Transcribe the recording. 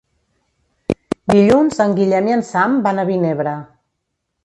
Dilluns en Guillem i en Sam van a Vinebre.